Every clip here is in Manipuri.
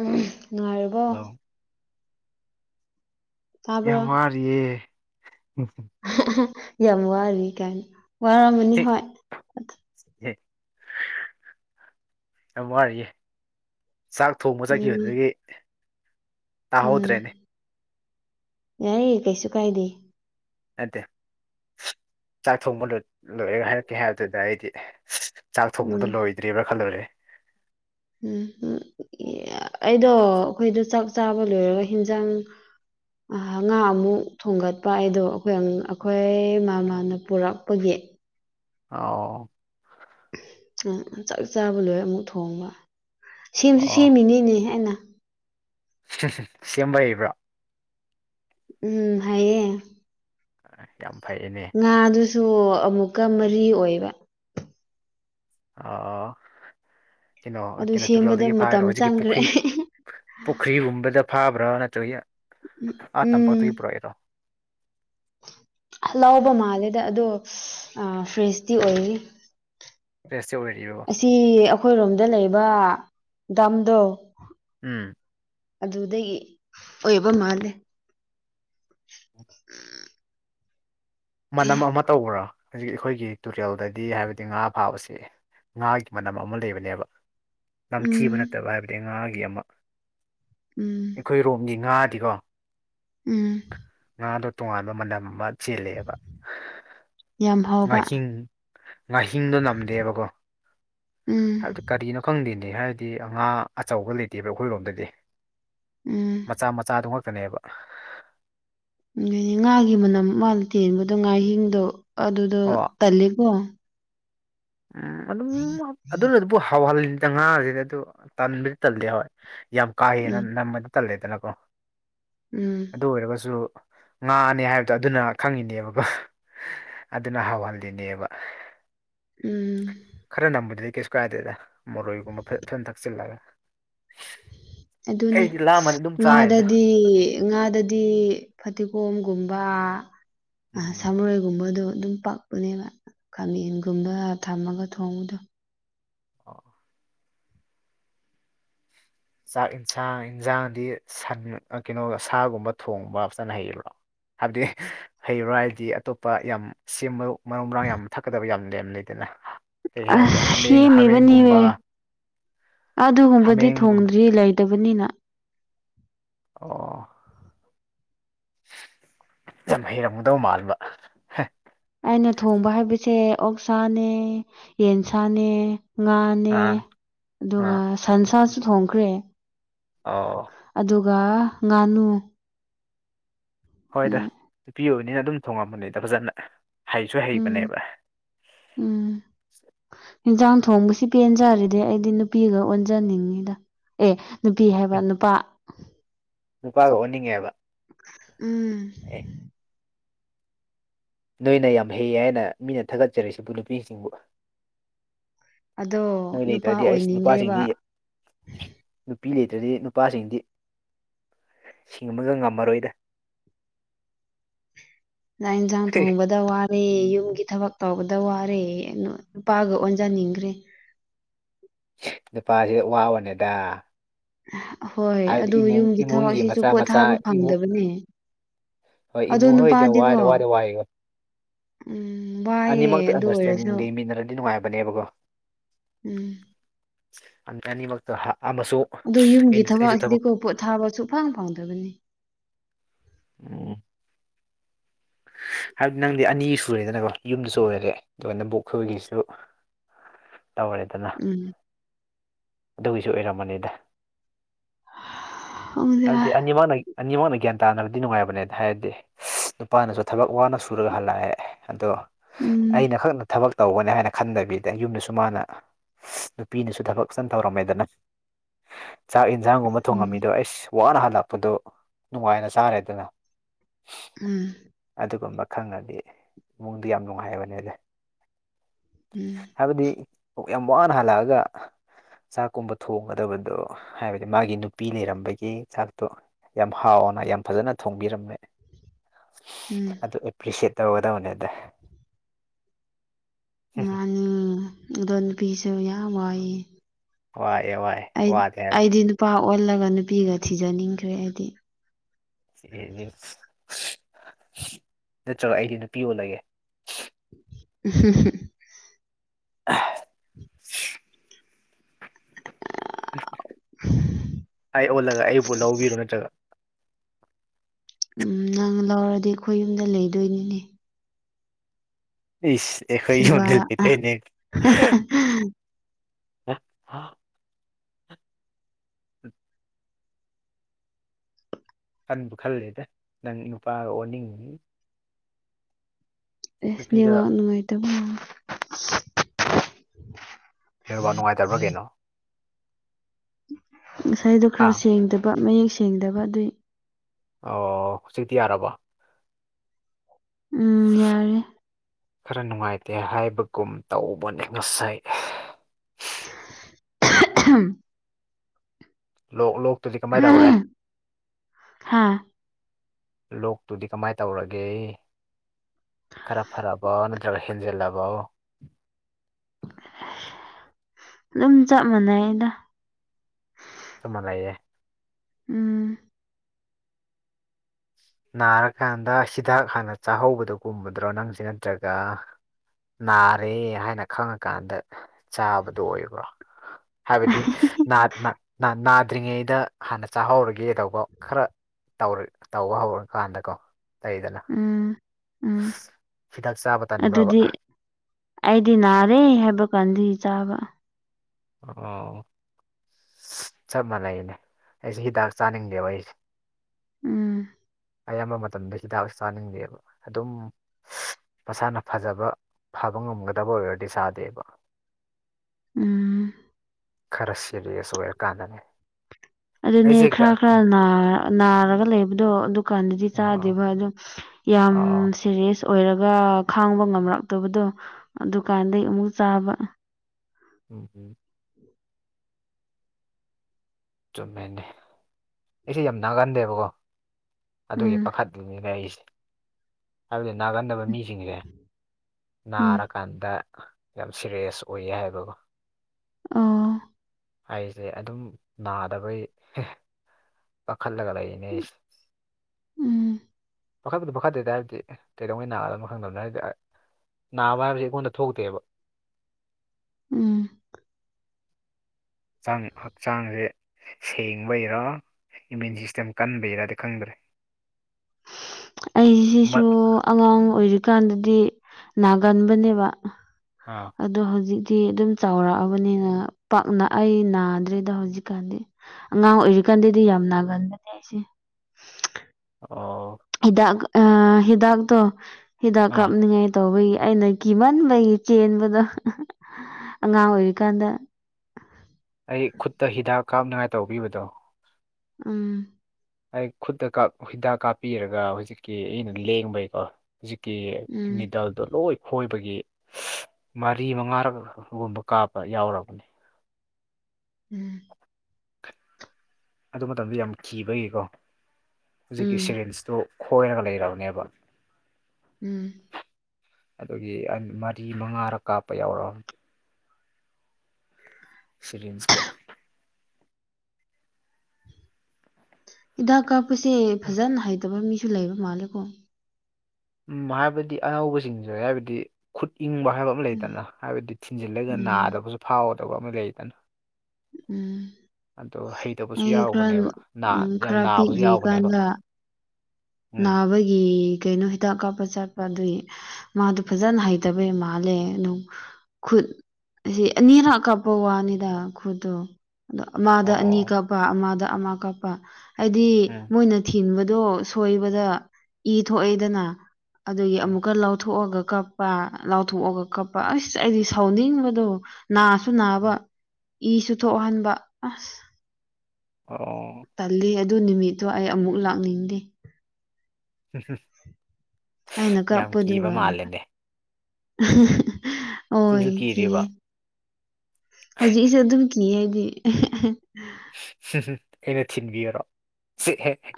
ꯎꯝ ꯉꯅꯨꯡꯉꯥꯏꯔꯕꯣ ꯍꯜꯂꯣ ꯇꯥꯕ꯭ꯔꯣ ꯍꯔ ꯌꯦ ꯌꯥꯝ ꯋꯥꯔꯤ ꯀꯥꯏꯅ ꯋꯥꯔꯝꯃꯅꯤ ꯍꯣꯏ ꯑꯔꯤꯦ ꯆꯥꯛ ꯊꯣꯡꯕ ꯎꯝ ꯆꯠꯈꯤꯕꯗꯨꯗꯒꯤ ꯑ ꯍꯧꯗ꯭ꯔꯦꯅꯦ ꯌꯥꯏ ꯀꯩꯁꯨ ꯀꯥꯏꯗꯦ ꯑꯗꯨꯠꯇꯦ ꯆꯥꯛ ꯊꯣꯡꯕꯗꯣ ꯂꯣꯏꯔꯒ ꯍꯥꯏꯔꯛꯀꯦ ꯍꯥꯏꯕꯗꯨꯗ ꯑꯩꯗꯤ ꯆꯥꯛ ꯊꯣꯡꯕꯗ ꯎꯝ ꯂꯣꯏꯗ꯭ꯔꯤꯕ꯭ꯔꯥ ꯈꯜꯂꯣꯏꯔꯦ ꯎꯝ ꯎꯝ ꯑꯩꯗꯣ ꯑꯩꯈꯣꯏꯗꯣ ꯆꯥꯛ ꯆꯥꯕ ꯂꯣꯏꯔꯒ ꯍꯤꯟꯖꯥꯡ ꯉꯥ ꯑꯃꯨꯛ ꯊꯣꯡꯒꯠꯄ ꯑꯩꯗꯣ ꯑꯩꯈꯣꯏ ꯑꯩꯈꯣꯏ ꯃ ꯃꯥꯅ ꯄꯨꯔꯛꯄꯒꯤ [inaudible] ꯑꯣ ꯎꯝ ꯆꯥꯛ ꯆꯥꯕ ꯂꯣꯏ ꯑꯃꯨꯛ ꯊꯣꯡꯕ ꯁꯦꯝꯁꯨ ꯑꯣ ꯁꯦꯝꯃꯤꯅꯤꯅꯦ ꯍꯥꯏꯅ ꯁꯦꯝꯕ ꯏꯕ꯭ꯔꯥ ꯎꯝ ꯍꯥꯏꯌꯦ ꯑ ꯌꯥꯝ ꯐꯩꯌꯦꯅꯦ ꯉꯥꯗꯨꯁꯨ ꯑꯃꯨꯛꯀ ꯃꯔꯤ ꯑꯣꯏꯕ ꯀꯩꯅꯣ ꯑꯗꯨ ꯀꯩꯅꯣ ꯁꯦꯝꯕꯗ ꯇꯨꯔꯦꯜꯗꯒꯤ ꯃꯇꯝ ꯐꯥꯏꯔꯣ ꯍꯧꯖꯤꯛꯀꯤ ꯆꯪꯈ꯭ꯔꯦ ꯄꯨꯈ꯭ꯔꯤ ꯄꯨꯈ꯭ꯔꯤꯒꯨꯝꯕꯗ ꯐꯥꯕ꯭ꯔꯥ ꯅꯠꯇ꯭ꯔꯒ ꯑꯥ ꯎꯝ ꯇꯝꯄꯥꯛꯇꯒꯤ ꯄꯨꯔꯛꯑꯔꯣ ꯑ ꯂꯥꯎꯕ ꯃꯥꯜꯂꯦꯗ ꯑꯗꯣ ꯐ꯭ꯔꯦꯁꯇꯤ ꯑꯣꯏ ꯔꯁ ꯑꯣꯏ ꯑꯁꯤ ꯑꯩꯈꯣꯏꯔꯣꯝꯗ ꯂꯩꯕ ꯗꯥꯝꯗꯣ ꯎꯝ ꯑꯗꯨꯗꯒꯤ ꯑꯣꯏꯕ ꯃꯥꯜꯂꯦ ꯑꯦ ꯃꯅꯝ ꯑꯃ ꯇꯧꯕ꯭ꯔꯥ ꯍꯧꯖꯤꯛ ꯑꯩꯈꯣꯏꯒꯤ ꯇꯨꯔꯦꯜꯗꯗꯤ ꯍꯥꯏꯕꯗꯤ ꯉꯥ ꯐꯥꯕꯕꯁꯤꯦ ꯉꯥꯒꯤ ꯃꯅꯝ ꯑꯃ ꯂꯩꯕꯅꯦꯕ ꯅꯝꯊꯤꯕ ꯎꯝ ꯅꯠꯇꯕ ꯍꯥꯏꯕꯗꯤ ꯉꯥꯒꯤ ꯑꯃ ꯎꯝ ꯑꯩꯈꯣꯏꯔꯣꯝꯒꯤ ꯉꯥ ꯄꯀꯣ ꯎꯝ ꯉꯥꯗꯣ ꯇꯣꯉꯥꯟꯕ ꯃꯅꯝ ꯑꯃ ꯆꯦꯜꯂꯑꯦꯕ ꯌꯥꯝ ꯍꯥꯎꯕ ꯉꯥꯍꯤꯡ ꯉꯥꯍꯤꯡꯗꯣ ꯅꯝꯗꯦꯕꯀꯣ ꯎꯝ ꯍꯥꯏꯕꯗꯤ ꯀꯔꯤꯅꯣ ꯈꯪꯗꯦꯅꯤ ꯍꯥꯏꯔꯗꯤ ꯑꯉꯥ ꯑꯆꯧꯕꯒ ꯂꯩꯇꯦꯕ ꯑꯩꯈꯣꯏꯔꯣꯝꯗꯗꯤ ꯎꯝ ꯃꯆꯥ ꯃꯆꯥꯗꯨ ꯉ ꯆꯇꯅꯦꯕ ꯗꯤ ꯉꯥꯒꯤ ꯃꯅꯝ ꯃꯥꯅ ꯇꯦꯟꯕꯗꯣ ꯉꯥꯍꯤꯡꯗꯣ ꯑꯗꯨꯗꯣ ꯑꯣ ꯇꯜꯂꯦꯀꯣ ꯎꯝ ꯑꯗꯨꯝ ꯑꯗꯨꯅ ꯑꯗꯨꯕꯨ ꯍꯥꯎꯍꯜꯂꯤꯗ ꯉꯥꯁꯤꯗꯤ ꯑꯗꯨ ꯇꯟꯕꯗꯤ ꯇꯜꯗꯦ ꯍꯋꯥꯣꯏ ꯌꯥꯝ ꯀꯥ ꯍꯦꯅ ꯎꯝ ꯅꯃꯗ ꯇꯜꯂꯦꯗꯅꯀꯣ ꯎꯝ ꯑꯗꯨ ꯑꯣꯏꯔꯒꯁꯨ ꯉꯥꯅꯦ ꯍꯥꯏꯕꯗꯣ ꯑꯗꯨꯅ ꯈꯪꯉꯤꯅꯦꯕꯀꯣ ꯑꯗꯨꯅ ꯍꯥꯎꯍꯟꯜꯂꯤꯅꯦꯕ ꯎꯝ ꯈꯔ ꯅꯝꯕꯨꯗꯨꯗꯤ ꯀꯩꯁꯨ ꯀꯥꯏꯗꯦꯗ ꯃꯣꯔꯣꯏꯒꯨꯝꯕ ꯐ ꯐꯖꯅ ꯊꯛꯆꯤꯜꯂꯒ ꯑꯗꯨꯅꯦ ꯑꯩꯗꯤ ꯂꯥꯝꯃꯗꯤ ꯑꯗꯨꯝ ꯆꯥꯏꯌꯦꯗ ꯉꯥꯗꯗꯤ ꯉꯥꯗꯗꯤ ꯐꯗꯤꯒꯣꯝꯒꯨꯝꯕ ꯎꯝ ꯁꯥꯃꯔꯣꯏꯒꯨꯝꯕꯗꯣ ꯑꯗꯨꯝ ꯄꯛꯄꯅꯦꯕ ꯈꯥꯃꯦꯟꯒꯨꯝꯕ ꯊꯝꯃꯒ ꯊꯣꯡꯕꯗꯣ ꯑꯥ ꯆꯥꯛ ꯌꯦꯟꯁꯥꯡ ꯌꯦꯟꯁꯥꯡꯗꯤ ꯁꯟ ꯀꯩꯅꯣ ꯁꯥꯒꯨꯝꯕ ꯊꯣꯡꯕ ꯐꯖꯅ ꯍꯩꯕ꯭ꯔꯣ ꯍꯥꯏꯕꯗꯤ ꯍꯩꯔꯣ ꯍꯥꯏꯗꯤ ꯑꯇꯣꯞꯄ ꯌꯥꯝ ꯁꯦꯝꯕ ꯃꯔꯨ ꯃꯔꯥꯡ ꯌꯥꯝ ꯊꯛꯀꯗꯕ ꯌꯥꯝ ꯅꯦꯝ ꯂꯩꯗꯅ ꯀꯩ ꯑ ꯍꯥꯏꯔꯗꯤ ꯍꯥꯃꯦꯡ ꯁꯤꯦꯃꯤꯕꯅꯤꯋꯦ ꯍꯥꯃꯦꯡꯒꯨꯝꯕ ꯑꯗꯨꯒꯨꯝꯕꯗꯤ ꯍꯥꯃꯦꯡꯒꯨꯝꯕ ꯊꯣꯡꯗ꯭ꯔꯤ ꯂꯩꯇꯕꯅꯤꯅ ꯑꯣ ꯍꯩꯔꯝꯧꯗꯧ ꯃꯥꯟꯕ ꯑꯣ ꯁꯥꯅꯦ ꯌꯦꯟ ꯁꯅꯦ ꯉꯥꯅꯦ ꯑꯥ ꯑꯗꯨꯒ ꯑꯥ ꯁꯟꯁꯥꯁꯨ ꯊꯣꯡꯈ꯭ꯔꯦ ꯑ ꯑꯗꯨꯒ ꯉꯥꯅꯨ ꯍꯣꯏꯗ ꯅꯨꯄꯤ ꯑꯣꯏꯕꯅꯤꯅ ꯑꯗꯨꯝ ꯊꯣꯡꯉꯝꯕꯅꯤꯗ ꯐꯖꯅ ꯍꯩꯁꯨ ꯎꯝ ꯍꯩꯕꯅꯦꯕ ꯌꯦꯟꯖꯥꯡ ꯊꯣꯡꯕꯁꯤ ꯄꯦꯟꯖꯔꯤꯗꯤ ꯑꯩꯗꯤ ꯅꯨꯄꯤꯒ ꯑꯣꯟꯖꯅꯤꯡꯉꯤꯗ ꯑꯦ ꯅꯨꯄꯤ ꯍꯥꯏꯕ ꯅꯨꯄꯥ ꯅꯨꯀꯥꯒ ꯑꯣꯟꯅꯤꯡꯉꯦꯕ ꯎꯝ ꯑꯦ ꯅꯣꯏꯅ ꯌꯥꯝ ꯍꯩ ꯍꯥꯏꯅ ꯃꯤꯅ ꯊꯥꯒꯠꯆꯔꯤꯁꯤꯕꯨ ꯅꯨꯄꯤꯁꯤꯡꯕꯨ ꯑꯗꯣ ꯅꯣꯏ ꯅꯨꯄꯥ ꯂꯩꯇ꯭ꯔꯗꯤ ꯑꯩꯁ ꯑꯣꯏꯅꯤꯡꯂꯦꯕ ꯅꯨꯄꯥꯁꯤꯡꯗꯤ ꯅꯨꯄꯤ ꯂꯩꯇ꯭ꯔꯗꯤ ꯅꯨꯄꯥꯁꯤꯡꯗꯤ ꯁꯤꯡꯃꯒ ꯉꯝꯃꯔꯣꯏꯗ ꯂꯅꯖꯥꯡ ꯊ ꯍꯣꯡꯕ ꯋꯥꯔ ꯅ ꯌꯨꯝꯒꯤ ꯊꯕꯛ ꯇꯧꯕꯗ ꯋꯥꯔꯦ ꯅꯨꯄꯥꯒ ꯑꯣꯟꯖꯟꯅꯤꯡꯈ꯭ꯔꯦ ꯅꯨꯄꯥꯁꯤꯦ ꯋꯥꯕꯅꯦꯗ ꯍꯣꯏ ꯍꯥꯏꯕꯗꯤ ꯑꯗꯨ ꯏꯃꯨꯡ ꯌꯨꯝꯒꯤ ꯏꯃꯨꯡꯒꯤ ꯊꯕꯛꯁꯤꯁꯨ ꯃꯆꯥ ꯃꯆꯥ ꯄꯣꯊꯥꯕ ꯏꯃꯨꯡ ꯐꯪꯗꯕꯅꯦ ꯍꯣꯏ ꯑꯗꯣ ꯏꯃꯨꯡ ꯍꯣꯏꯗ ꯅꯨꯄꯥꯗꯤꯀꯣ ꯋꯥꯗ ꯋꯥꯗ ꯋꯥꯏꯌꯦꯕ ꯎꯝ ꯋꯥꯏꯑꯦ ꯑꯗꯨ ꯑꯣꯏꯔꯁꯨ ꯅꯦꯕꯀꯣ ꯎꯝ ꯑꯅꯤꯃ ꯃꯁꯨ ꯌꯦꯟ ꯀꯣ ꯄꯣꯊꯥꯕꯁꯨꯐꯪ ꯐꯪꯗꯕꯅꯤ ꯎꯝ ꯍꯥꯏꯕꯗꯤ ꯅꯪꯗꯤ ꯑꯅꯤ ꯁꯨꯔꯦꯗꯅꯀꯣ ꯌꯨꯝꯗꯁꯨ ꯑꯣꯏꯔꯦ ꯑꯗꯨꯒ ꯅꯕꯨꯣꯛꯈꯣꯏꯒꯤꯁꯨ [unintelligible] ꯇꯧꯔꯦꯗꯅ ꯎꯝ ꯑꯗꯨꯒꯤꯁꯨ ꯑꯣꯏꯔꯝꯃꯅꯤꯗ ꯈꯪꯗꯦꯗ ꯍꯥꯏꯕꯗꯤ ꯑꯅꯤꯃꯛꯅ ꯑꯅꯤꯃꯛꯅ ꯒ꯭ꯌꯥꯟ ꯇꯥꯅꯕꯗꯤ ꯅꯨꯡꯉꯥꯏꯕꯅꯦ ꯍꯥꯏꯔꯗꯤ ꯅꯨꯄꯥꯅꯁꯨ ꯊꯕꯛ ꯋꯥꯅ ꯁꯨꯔꯒ ꯍꯜꯂꯛꯑꯦ ꯑꯗꯣ ꯎꯝ ꯑꯩꯅ ꯈꯛꯅ ꯊꯕꯛ ꯇꯧꯕꯅꯦ ꯍꯥꯏꯅ ꯈꯟꯗꯕꯤꯗ ꯌꯨꯝꯗꯁꯨ ꯃꯥꯅ ꯅꯨꯄꯤꯅꯁꯨ ꯊꯕꯛ ꯈꯛꯆꯟ ꯇꯧꯔꯝꯃꯦꯗꯅ ꯆꯥꯛ ꯌꯦꯟꯁꯥꯡꯒꯨꯝꯕ ꯎꯝ ꯊꯣꯡꯉꯝꯃꯤꯗꯣ ꯑꯩꯁ ꯋꯥꯅ ꯍꯜꯂꯛꯄꯗꯨ ꯅꯨꯡꯉꯥꯏꯅ ꯆꯥꯔꯦ ꯑꯗꯨꯅ ꯎꯝ ꯑꯗꯨꯒꯨꯝꯕ ꯈꯪꯉꯗꯤ ꯏꯃꯨꯡꯗ ꯌꯥꯝ ꯅꯨꯡꯉꯥꯏꯕꯅꯦꯗ ꯎꯝ ꯍꯥꯏꯕꯗꯤ ꯌꯥꯝ ꯋꯥꯅ ꯍꯜꯂꯛꯑꯒ ꯆꯥꯛꯀꯨꯝꯕ ꯊꯣꯡꯒꯗꯕꯗꯣ ꯍꯥꯏꯕꯗꯤ ꯃꯥꯒꯤ ꯅꯨꯄꯤ ꯂꯩꯔꯝꯕꯒꯤ ꯆꯥꯛꯇꯣ ꯌꯥꯝ ꯍꯥꯎꯅ ꯌꯥꯝ ꯐꯖꯅ ꯊꯣꯡꯕꯤꯔꯝꯃꯦ ꯎꯝ ꯑꯗꯨ ꯑꯦꯄ꯭ꯔꯤꯁꯦꯠ ꯇꯧꯒꯗꯕꯅꯦ ꯑꯗ ꯎ ꯑ ꯗꯣꯟ ꯄꯤꯁ ꯌꯥ ꯏ ꯋꯥꯑꯦ ꯋꯥꯑꯦ ꯑꯩ ꯋꯥꯗꯦ ꯍꯥꯏꯔꯗꯤ ꯑꯩꯗꯤ ꯅꯨꯄꯥ ꯑꯣꯜꯂꯒ ꯅꯨꯄꯤꯒ ꯊꯤꯖꯅꯤꯡꯈ꯭ꯔꯦ ꯑꯩꯗꯤ ꯅꯠꯇ꯭ꯔꯒ ꯑꯩꯗꯤ ꯅꯨꯄꯤ ꯑꯣꯣꯜꯂꯒꯦ [unintelligible] [unintelligible] ꯑꯩ ꯑꯣꯜꯂꯒ ꯑꯩ ꯄꯣ ꯂꯧꯕꯤꯔꯣ ꯅꯠꯇ꯭ꯔꯒ ꯎꯝ ꯅꯪ ꯂꯧꯔꯗꯤ ꯑꯩꯈꯣꯏ ꯌꯨꯝꯗ ꯂꯩꯗꯣꯏꯅꯤꯅꯦ ꯏꯁ ꯑꯩꯈꯣꯏ ꯁꯤꯕꯥ ꯌꯣꯟꯗꯕꯤꯔꯣꯏꯅꯦ [unintelligible] ꯎꯝ ꯈꯟꯕꯨ ꯈꯜꯂꯦꯗ ꯅꯪ ꯅꯨꯄꯥꯒ ꯑꯣꯅꯤꯡꯉꯤ ꯑꯦꯅꯦꯉꯥꯛ ꯅꯨꯡꯉꯥꯏꯇꯕꯣ ꯅꯕ ꯅꯨꯡꯉꯥꯏꯇꯕ꯭ꯔꯥ ꯀꯩꯅꯣ ꯉꯁꯥꯏꯗꯣ ꯍꯥ ꯈꯔ ꯁꯦꯡꯗꯕ ꯃꯌꯦꯛ ꯁꯦꯡꯗꯕ ꯑꯗꯨꯏ ꯑꯣ ꯍꯧꯖꯤꯛꯇꯤ ꯌꯥꯔꯕ ꯎꯝ ꯌꯥꯔꯦ ꯈꯔ ꯅꯨꯡꯉꯥꯏꯇꯦ ꯍꯥꯏꯕꯒꯨꯝ ꯇꯧꯕ ꯅꯤꯡꯉꯁꯩ [unintelligible] ꯂꯣꯛ ꯂꯣꯛ ꯍꯥꯥ ꯂꯣꯛꯇꯨꯗꯤ ꯀꯃꯥꯏ ꯇꯧꯔꯒꯦ ꯈꯔ ꯐꯔꯕꯣ ꯅꯠꯇ꯭ꯔꯒ ꯍꯦꯟꯖꯤꯜꯂꯕꯣ ꯑꯗꯨꯝ ꯆꯞ ꯃꯥꯟꯅꯩ ꯑꯗ ꯆꯃ ꯂꯩꯌꯦ ꯎꯝ ꯅꯥꯔꯀꯥꯟꯗ ꯍꯤꯗꯥꯛ ꯍꯥꯟꯅ ꯆꯥꯍꯧꯕꯗꯣꯒꯨꯝꯕꯗ꯭ꯔꯣ ꯅꯪꯁꯦ ꯅꯠꯇ꯭ꯔꯒ ꯅꯥꯔꯦ ꯍꯥꯏꯅ ꯈꯪꯉꯀꯥꯟꯗ ꯆꯥꯕꯗꯨꯣ ꯑꯣꯏꯕ꯭ꯔꯣ ꯍꯥꯏꯕꯗꯤ ꯅꯥꯗ꯭ꯔꯤꯉꯩꯗ ꯍꯥꯟꯅ ꯆꯥꯍꯧꯔꯒꯦꯗꯧꯕ ꯈꯔ ꯇꯧꯔ ꯇꯧꯕ ꯍꯧꯔꯀꯥꯟꯗꯀꯣ ꯂꯩꯗꯅ ꯎꯝ ꯎꯝ ꯍꯤꯗꯥꯛ ꯆꯥꯕ ꯇꯟꯕ꯭ꯔꯕ ꯑꯗꯨꯗꯤ ꯑꯩꯗꯤ ꯅꯥꯔꯦ ꯍꯥꯏꯕ ꯒꯙꯤ ꯆꯥꯕ ꯑꯣ ꯆꯞ ꯃꯥꯟꯅꯩꯅꯦ ꯑꯩꯁꯦ ꯍꯤꯗꯥꯛ ꯆꯥꯅꯤꯡꯗꯦꯕ ꯑꯩꯁꯦ ꯎꯝ ꯑꯌꯥꯝꯕ ꯃꯇꯝꯗ ꯍꯤꯗꯥꯛꯁꯨ ꯆꯥꯅꯤꯡꯗꯦꯕ ꯑꯗꯨꯝ ꯃꯁꯥꯅ ꯐꯖꯕ ꯐꯕ ꯉꯝꯒꯗꯕ ꯑꯣꯏꯔꯗꯤ ꯆꯥꯗꯦꯕ ꯎꯝ ꯈꯔ ꯁꯤꯏꯔꯤꯌꯁ ꯑꯣꯏꯔ ꯀꯥꯟꯗꯅꯦ ꯑꯗꯨꯅꯦ ꯈꯔ ꯈꯔ ꯅꯥꯔꯒ ꯂꯩꯕꯗꯣ ꯗꯨꯀꯥꯟꯗꯗꯤ ꯑꯥ ꯆꯥꯗꯦꯕ ꯑꯗꯨꯝ ꯌꯥꯝ ꯑꯥ ꯁꯤꯏꯔꯤꯌꯁ ꯑꯣꯏꯔꯒ ꯈꯥꯡꯕ ꯉꯝꯂꯛꯇꯕꯗꯣ ꯗꯨꯀꯥꯟꯗꯒꯤꯩ ꯑꯃꯨꯛ ꯆꯥꯕ ꯎꯝ ꯎꯝ ꯆꯨꯝꯃꯦꯅꯦ ꯑꯩꯁꯦ ꯌꯥꯝ ꯅꯥꯒꯟꯗꯦꯕꯀꯣ ꯑꯗꯨꯒꯤ ꯎꯝ ꯄꯥꯈꯠꯂꯤꯅꯤꯕ ꯑꯩꯁꯦ ꯍꯥꯏꯕꯗꯨꯅꯤ ꯅꯥꯒꯟꯟꯅꯗꯕ ꯃꯤꯁꯤꯡꯁꯦ ꯎꯝ ꯅꯥꯔꯀꯥꯟꯗ ꯌꯥꯝ ꯁꯤꯏꯔꯤꯌꯁ ꯑꯣꯏꯌꯦ ꯍꯥꯏꯕꯒ ꯑ ꯑꯩꯁꯦ ꯑꯗꯨꯝ ꯅꯥꯗꯕꯩ ꯄ ꯈꯜꯂꯒꯂꯏꯅꯦ ꯎꯝ ꯄꯥꯈꯠꯄꯗꯨ ꯐꯥꯈꯠꯇꯦ ꯇ ꯍꯥꯏꯕꯗꯤ ꯀꯩꯗꯧꯉꯩ ꯅꯥꯗ ꯈꯪꯗꯕꯅꯣ ꯍꯥꯏꯔꯗꯤ ꯅꯥꯕ ꯍꯥꯏꯕꯁꯤ ꯑꯩꯉꯣꯟꯗ ꯊꯣꯛꯇꯦꯕ ꯎꯝ ꯍꯛꯆꯥꯡ ꯍꯛꯆꯥꯡꯁꯦ ꯁꯦꯡꯕꯩꯔꯣ ꯏꯃ꯭ꯌꯨꯟ ꯁꯤꯁꯇꯦꯝ ꯀꯟꯕꯩꯔꯗꯤ ꯈꯪꯗ꯭ꯔꯦ ꯍ ꯃ- ꯑꯩꯁꯤꯁꯨ ꯑꯉꯥꯡ ꯑꯣꯏꯔꯤꯀꯥꯟꯗꯗꯤ ꯅꯥꯒꯟꯕꯅꯦꯕ ꯑꯥ ꯑꯗꯣ ꯍꯧꯖꯤꯛ ꯇꯤ ꯑꯗꯨꯝ ꯆꯥꯎꯔꯛꯑꯕꯅꯤꯅ ꯄꯥꯛꯅ ꯑꯩ ꯅꯥꯗ꯭ꯔꯦꯗ ꯍꯧꯖꯤꯛꯀꯥꯟꯗꯤ ꯑꯉꯥꯡ ꯑꯣꯏꯔꯤ ꯀꯟꯗꯗꯤ ꯌꯥꯝ ꯅꯥꯒꯟꯕꯅꯦ ꯑꯩꯁꯦ ꯑꯣ ꯍꯤꯗꯥꯛ ꯑ ꯍꯤꯗꯥꯛꯇꯣ ꯍꯤꯗꯥꯛ ꯑꯥ ꯀꯥꯞꯅꯤꯡꯉꯥꯏ ꯇꯧꯕꯩ ꯑꯩꯅ ꯀꯤꯃꯟꯕꯒꯤ ꯆꯦꯟꯕꯗꯣ ꯑꯉꯥꯡ ꯑꯣꯏꯔꯤꯀꯥꯟꯗ ꯑꯩ ꯈꯨꯠꯇ ꯍꯤꯗꯥꯛ ꯀꯥꯞꯅꯉꯥꯏ ꯇꯧꯕꯤꯕꯗꯣ ꯎꯝ ꯑꯩ ꯈꯨꯠꯇ ꯍꯤꯗꯥꯛ ꯀꯥꯞꯄꯤꯔꯒ ꯍꯧꯖꯤꯛꯀꯤ ꯑꯩꯅ ꯂꯦꯡꯕꯩꯀꯣ ꯎꯝ ꯍꯧꯖꯤꯛꯀꯤꯅꯤꯗꯥꯜꯗꯣ ꯂꯣꯏ ꯁꯣꯏꯕꯒꯤ ꯃꯔꯤ ꯃꯉꯥꯔꯒꯨꯝꯕ ꯀꯥꯞꯄ ꯌꯥꯎꯔꯕꯅꯤ ꯎꯝ ꯑꯗꯨ ꯃꯇꯝꯗ ꯌꯥꯝ ꯤꯕꯒꯤꯀꯣ ꯍꯧꯖꯤꯛꯀꯤ ꯎꯝ ꯁꯦꯔꯦꯟꯁꯇꯣ ꯈꯣꯏꯔꯒ ꯂꯩꯔꯕꯅꯦꯕ ꯎꯝ ꯑꯗꯨꯒꯤ ꯃꯔꯤ ꯃꯉꯥꯔ ꯀꯥꯞꯄ ꯌꯥꯎꯔꯅꯤ ꯁꯟꯁꯀ ꯍꯤꯗꯥꯛ ꯀꯥꯞꯄꯁꯦ ꯐꯖꯅ ꯍꯩꯇꯕ ꯃꯤꯁꯨ ꯂꯩꯕ ꯃꯥꯜꯂꯦꯀꯣ ꯎꯝ ꯍꯥꯏꯕꯗꯤ ꯑꯅꯧꯕꯁꯤꯡꯁꯦ ꯍꯥꯏꯕꯗꯤ ꯈꯨꯠ ꯏꯪꯕ ꯍꯥꯏꯕ ꯑꯃ ꯎꯝ ꯂꯩꯗꯅ ꯍꯥꯏꯕꯗꯤ ꯊꯤꯟꯖꯤꯜꯂꯒ ꯎꯝ ꯅꯥꯗꯕꯁꯨ ꯐꯥꯎꯗꯕ ꯑꯃ ꯂꯩꯗꯅ ꯎꯝ ꯑꯗꯣ ꯍꯩꯇꯕꯁꯨ ꯑꯩ ꯈꯔ ꯌꯥꯎꯕꯅꯦꯕ ꯌꯥꯝ ꯈꯔ ꯅꯥꯕꯁꯨ ꯄꯤꯛꯂꯤ ꯌꯥꯎꯕꯅꯦꯕ ꯀꯥꯟꯗ ꯎꯝ ꯅꯕꯒꯤ ꯀꯩꯅꯣ ꯍꯤꯗꯥꯛ ꯀꯥꯞꯄ ꯆꯥꯠꯄ ꯑꯗꯨꯏ ꯃꯥꯗ ꯐꯖꯅ ꯍꯩꯇꯕꯩ ꯃꯥꯜꯂꯦ ꯑꯗꯨꯅꯨꯡ ꯈꯨꯠ ꯍ ꯅꯔ ꯀꯥꯄ ꯋꯥꯅꯤꯗ ꯈꯨꯗꯨꯣ ꯑꯗꯣ ꯑꯃꯗ ꯑꯣ ꯑꯅꯤ ꯑꯣ ꯀꯛꯄ ꯑꯃꯗ ꯑꯃ ꯀꯞꯄ ꯍꯥꯏꯗꯤ ꯎꯝ ꯃꯣꯏꯅ ꯊꯤꯟꯕꯗꯣ ꯁꯣꯏꯕꯗ ꯏ ꯊꯣꯛꯏꯗꯅ ꯑꯗꯨꯒꯤ ꯎꯝ ꯑꯃꯨꯛꯀ ꯂꯧꯊꯣꯛꯑꯒ ꯀꯞꯄ ꯂꯥꯎꯊꯣꯛꯑꯒ ꯀꯞꯄ ꯑꯁ ꯑꯩꯗꯤ ꯁꯥꯎꯅꯤꯡꯕꯗꯣ ꯅꯥꯁꯨ ꯅꯥꯕ ꯏꯁꯨ ꯊꯣꯛꯍꯟꯕ ꯑꯁ ꯑꯣ ꯇꯜꯂꯤ ꯑꯗꯨ ꯅꯨꯃꯤꯠꯇꯣ ꯑꯩ ꯑꯃꯨꯛ ꯂꯥꯛꯅꯤꯡꯗꯦ ꯁ ꯁ [unintelligible] ꯑꯏꯅ ꯀꯄꯗꯨꯒꯃꯒ ꯁꯤꯁꯨ ꯑꯣꯒꯤ ꯀꯤꯔꯤꯕ ꯍꯧꯖꯤꯛ ꯑꯩꯁꯦ ꯑꯗꯨꯝ ꯀꯤꯌꯦ ꯍꯥꯏꯗꯤ ꯏꯅ ꯆꯤꯟꯕꯤꯔꯣ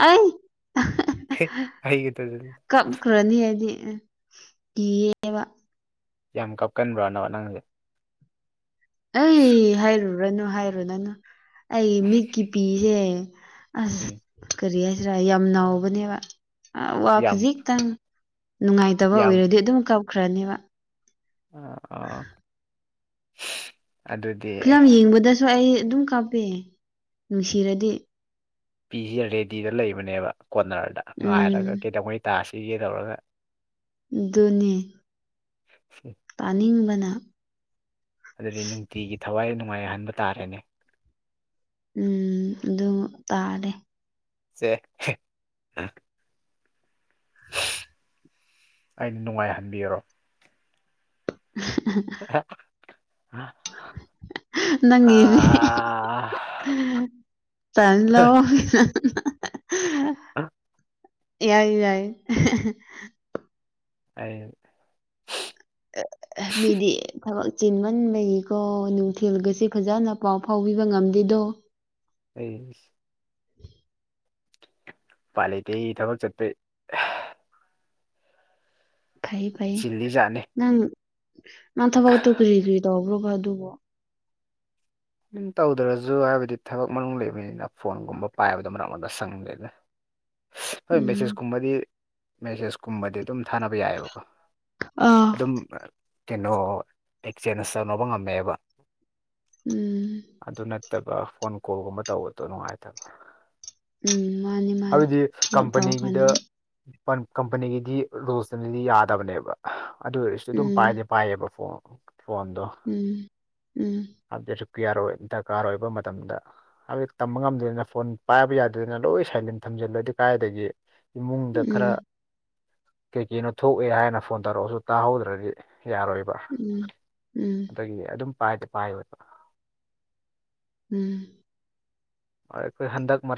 ꯑꯩ ꯑꯩꯒꯤꯗꯨꯁꯨ ꯀꯞꯈ꯭ꯔꯅꯤ ꯑꯩꯏꯗꯤ ꯀꯌꯦꯕꯥ ꯌꯥꯝ ꯀꯞꯀꯟꯕ꯭ꯔꯥꯅ ꯅꯪꯁꯦ ꯑꯩ ꯍꯥꯏꯔꯨꯔꯅꯨ ꯍꯥꯏꯔꯨꯅꯅꯨ ꯑꯩ ꯃꯤꯠꯀꯤ ꯄꯤꯁꯦ ꯑꯁ ꯎꯝ ꯀꯔꯤ ꯍꯥꯏꯁꯤꯔꯥ ꯌꯥꯝ ꯅꯥꯥꯎꯕꯅꯦꯕ ꯋꯥ ꯌꯥꯝ ꯈꯖꯤꯛꯇꯪ ꯅꯨꯡꯉꯥꯏꯇꯕ ꯌꯥꯝ ꯑꯣꯏꯔꯗꯤ ꯑꯗꯨꯝ ꯀꯞꯈ꯭ꯔꯅꯦꯕ ꯑ [unintelligible] ꯐꯤꯂꯝ ꯌꯦꯡꯕꯗꯁꯨ ꯑꯩ ꯑꯗꯨꯝ ꯀꯥꯞꯄ ꯅꯨꯡꯁꯤꯔꯗꯤ ꯄꯤꯁꯤ ꯔꯦꯗꯤꯗ ꯂꯩꯕꯅꯦꯕ ꯀꯣꯔꯅꯔꯗ ꯎꯝ ꯉꯥꯏꯔꯒ ꯀꯩꯗꯧꯉꯩ ꯇꯥꯔꯁꯤ ꯆꯒꯦ ꯇꯧꯔꯒ ꯗꯣꯅꯦ ꯄꯅꯤꯕꯅꯥ ꯑꯗꯨꯗꯤ ꯅꯨꯡꯇꯤꯒꯤ ꯊꯋꯥꯏ ꯅꯨꯡꯉꯥꯏꯍꯟꯕ ꯇꯥꯔꯦꯅꯦ ꯎꯝ ꯑꯗꯨ ꯇꯥꯔꯦ ꯁꯦ [unintelligible] ꯑꯩꯅ ꯅꯨꯡꯉꯥꯏꯍꯟꯕꯤꯔꯣ ꯑ [inaudible] ꯅꯪꯒꯤꯅꯦ ꯑꯥ ꯇꯅꯤ ꯂꯑꯣ ꯑ ꯌꯥꯏ ꯌꯥꯏ ꯑ [inaudible] ꯃꯦꯗꯤ ꯊ ꯆꯤꯟꯃꯟꯕꯒꯤꯀꯣ ꯅꯨꯡꯊꯤꯜꯒꯁꯦ ꯐꯖꯅ ꯄꯥꯎ ꯐꯥꯎꯕꯤꯕ ꯉꯝꯗꯦꯗꯣ ꯑ ꯄꯥꯂꯇꯦ ꯑꯩ ꯊꯕꯛ ꯆꯠꯄꯦ ꯐꯩꯌꯦ ꯐꯩꯌꯦ ꯆꯤꯜꯂꯤꯖꯥꯠꯅꯤ ꯅꯪ ꯅꯪ ꯊꯕꯒ ꯇꯣ ꯀ꯭ꯔꯤ ꯀ꯭ꯔꯤ ꯇꯕ꯭ꯔꯣ ꯃꯗꯨꯕꯣ ꯝ ꯇꯧꯗ꯭ꯔꯁꯨ ꯍꯥꯏꯕꯗꯤ ꯊꯕꯛ ꯃꯅꯨꯡ ꯂꯩꯕꯅꯤꯅ ꯐꯣꯟꯒꯨꯝꯕ ꯄꯥꯏꯕꯗ ꯃꯔꯛ ꯃꯔ ꯁꯪꯗꯦꯗ [unintelligible] ꯍꯣꯏ ꯃꯦꯁꯦꯁ ꯎꯝ ꯀꯨꯝꯕꯗꯤ ꯃꯦꯁꯦꯁ ꯀꯨꯝꯕꯗꯤ ꯑꯗꯨꯝ ꯊꯥꯅꯕ ꯌꯥꯏꯑꯕꯀꯣ ꯑꯥ ꯑꯗꯨꯝ ꯀꯩꯅꯣ ꯑꯦꯛꯆꯦꯟꯖ ꯇꯧꯅꯕ ꯉꯝꯃꯦꯕ ꯎꯝ ꯑꯗꯨ ꯅꯠꯇꯕ ꯐꯣꯟ ꯀꯣꯜꯒꯨꯝꯕ ꯇꯧꯕꯗꯣ ꯅꯨꯡꯉꯥꯏꯇꯕ ꯎꯝ ꯃꯥꯅꯤ ꯃꯥꯅꯤ ꯍꯥꯏꯕꯗꯤ ꯊꯕꯛ ꯀꯝꯄꯅꯤꯒꯤꯗ ꯇꯧꯔꯀꯥꯟꯗꯗꯤ ꯀꯝꯄꯅꯤꯒꯤꯗꯤ ꯔꯨꯜꯁꯇꯅꯗꯤ ꯌꯥꯗꯕꯅꯦꯕ ꯑꯗꯨ ꯑꯣꯏꯔꯁꯨ ꯑꯗꯨꯝ ꯎꯝ ꯄꯥꯏꯗꯦ ꯄꯥꯏꯌꯦꯕ ꯐꯣꯟ ꯐꯗ ꯎꯝ ꯎꯝ ꯑꯗꯁꯨ ꯌꯥꯔꯣꯏ ꯗꯔꯀꯥꯔ ꯑꯣꯏꯕ ꯃꯇꯝꯗ ꯍꯥꯏꯕꯖꯤꯛ ꯇꯝꯕ ꯉꯝꯗꯗꯅ ꯐꯣꯟ ꯄꯥꯏꯕ ꯌꯥꯗꯗꯅ ꯂꯣꯏ ꯁꯩꯖꯤꯟ ꯊꯝꯖꯤꯜꯂꯗꯤ ꯀꯥꯏꯗꯒꯤ ꯏꯃꯨꯡꯗ ꯈꯔ ꯎꯝ ꯀꯩꯀꯅꯣ ꯊꯣꯛꯑꯦ ꯍꯥꯏꯅ ꯐꯣꯟ ꯇꯧꯔꯛꯑꯁꯨ ꯇꯥꯍꯧꯗ꯭ꯔꯗꯤ ꯌꯥꯔꯣꯏꯕ ꯎꯝ ꯎꯝ ꯑꯗꯒꯤ ꯑꯗꯨꯝ ꯄꯥꯏꯗꯤ ꯄꯥꯏꯣꯏꯕ ꯎꯝ ꯣꯏ ꯍꯟꯗꯛ ꯃꯔꯔ